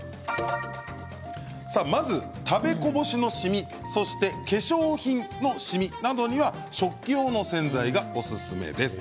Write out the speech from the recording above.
まず、食べこぼしのしみそして化粧品のしみなどには食器用洗剤がおすすめです。